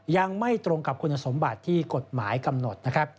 ยังไม่ตรงกับคุณสมบัติที่กฎหมายกำหนดนะครับ